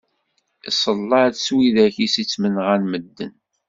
Iṣella-d s widak i s ttmenɣan medden.